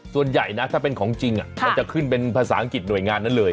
ส่วนใหญ่นะถ้าเป็นของจริงมันจะขึ้นเป็นภาษาอังกฤษหน่วยงานนั้นเลย